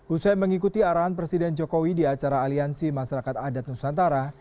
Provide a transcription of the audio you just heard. usai mengikuti arahan presiden jokowi di acara aliansi masyarakat adat nusantara